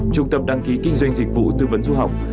trung tâm đăng ký kinh doanh dịch vụ tư vấn du học